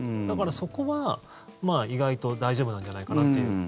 だからそこは意外と大丈夫なんじゃないかなっていう。